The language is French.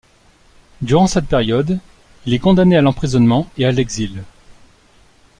Durant cette période, il est condamné à l'emprisonnement et à l'exil.